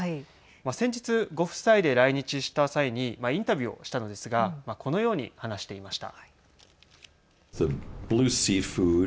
先日ご夫妻で来日した際にインタビューをしたのですがこのように話していました。